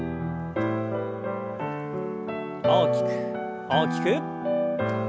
大きく大きく。